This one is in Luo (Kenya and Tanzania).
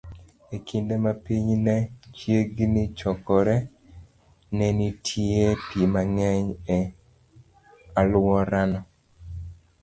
E kinde ma piny ne chiegni chakore, ne nitie pi mang'eny e alworano.